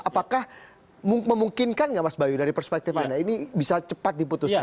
apakah memungkinkan nggak mas bayu dari perspektif anda ini bisa cepat diputuskan